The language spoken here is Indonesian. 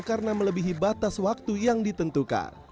karena melebihi batas waktu yang ditentukan